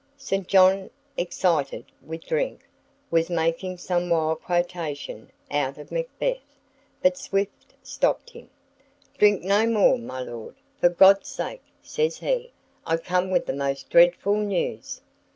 St. John, excited with drink, was making some wild quotation out of Macbeth, but Swift stopped him. "Drink no more, my lord, for God's sake!" says he. "I come with the most dreadful news."